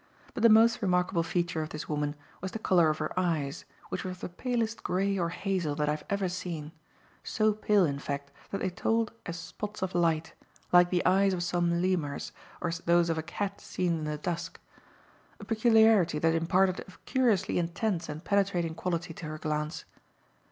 But the most remarkable feature of this woman was the colour of her eyes, which were of the palest grey or hazel that I have ever seen; so pale in fact that they told as spots of light, like the eyes of some lemurs or those of a cat seen in the dusk; a peculiarity that imparted a curiously intense and penetrating quality to her glance.